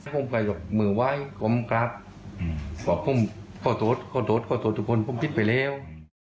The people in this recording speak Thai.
ผมก็ยกมือไว้ก้มกราบบอกผมขอโทษขอโทษทุกคนผมคิดไปแล้ว